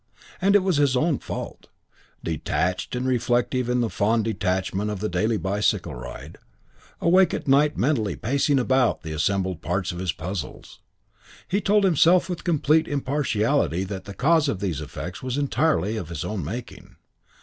And it was his own fault. Detached and reflective in the fond detachment of the daily bicycle ride, awake at night mentally pacing about the assembled parts of his puzzles, he told himself with complete impartiality that the cause of these effects was entirely of his own making.